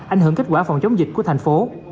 ảnh hưởng kết quả phòng chống dịch của thành phố